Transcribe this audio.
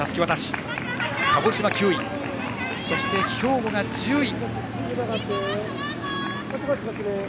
鹿児島９位、兵庫が１０位。